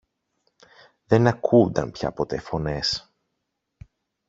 Δεν ακούουνταν πια ποτέ φωνές.